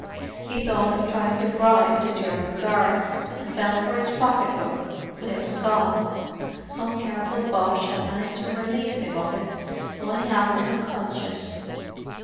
He thought of trying to bribe the German guards, and felt for his pocket book, but it was gone; some careful Boche had managed to relieve him of it while he had been unconscious.